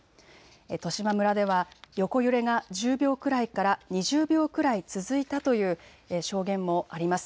十島村では横揺れが１０秒くらいから２０秒くらい続いたという証言もあります。